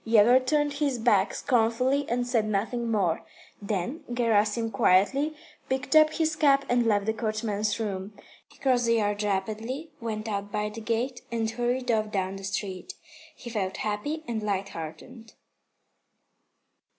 Yegor turned his back scornfully and said nothing more. Then Gerasim quietly picked up his cap and left the coachman's room. He crossed the yard rapidly, went out by the gate, and hurried off down the street. He felt happy and lighthearted.